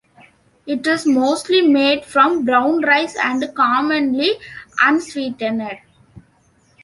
It is mostly made from brown rice and commonly unsweetened.